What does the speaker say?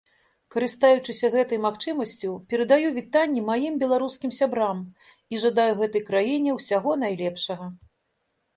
Карыстаючыся гэтай магчымасцю, перадаю вітанні маім беларускім сябрам і жадаю гэтай краіне ўсяго найлепшага.